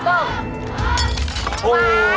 โอ้โฮ